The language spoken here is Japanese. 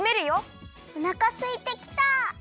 おなかすいてきた。